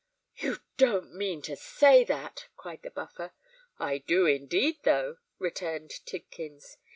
"You don't mean to say that?" cried the Buffer. "I do indeed, though," returned Tidkins.